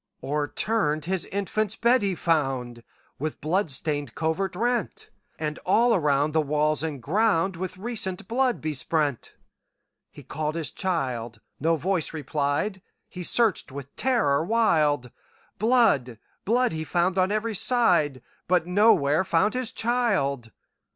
O'erturned his infant's bed he found, With blood stained covert rent; And all around the walls and groundWith recent blood besprent. He called his child,—no voice replied,—He searched with terror wild; Blood, blood, he found on every side, But nowhere found his child.